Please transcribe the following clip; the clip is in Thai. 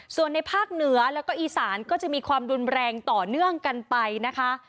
ส่วนในภาคเหนือแล้วก็อีสานก็จะมีความรุนแรงต่อเนื่องกันไปนะคะ